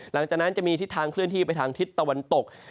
หลังจากนั้นจะมีทิศทางเคลื่อนที่ไปทางทิศตะวันตก